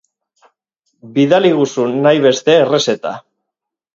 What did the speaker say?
Bidaliguzu nahi beste errezeta.